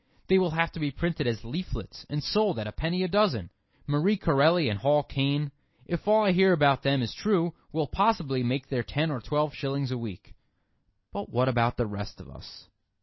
They will have to be printed as leaflets and sold at a penny a dozen. Marie Corelli and Hall Caine—if all I hear about them is true—will possibly make their ten or twelve shillings a week. But what about the rest of us?